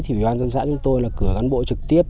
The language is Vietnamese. thì bà con dân xã chúng tôi là cửa cán bộ trực tiếp